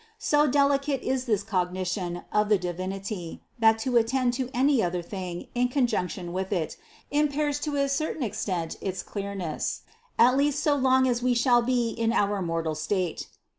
So delicate is this cognition of the Divinity, that to attend to any other thing in conjunction with it, impairs to a certain extent its clearness, at least so long as we shall be in our mortal state.